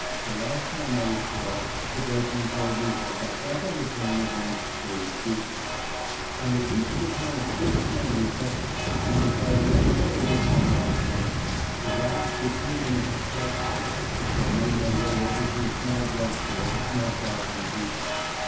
The last time I was put off; the brakemen told me if I got back on the train again they would shoot me. I had reached the town of Big Sandy, Tex., and decided I had better wait for another train. It lacked but a few minutes of 12 o'clock as I made my way over to a small drug store, not far from the depot.